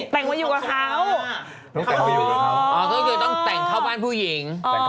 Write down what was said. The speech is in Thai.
แต่งไว้อยู่กับเขาต้องแต่งมาอยู่อ๋อก็คือต้องแต่งเข้าบ้านผู้หญิง